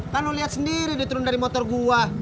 kan lu liat sendiri diturun dari motor gua